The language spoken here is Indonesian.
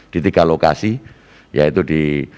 di tiga lokasi yaitu di